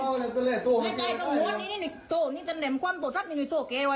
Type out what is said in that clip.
ไม่รู้ว่าพี่น้องมีแค่คุณแม่ของแม่มันว่าต้องเรียนอ่าพี่น้องมีแค่แม่มัน